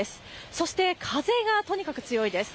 そして風がとにかく強いです。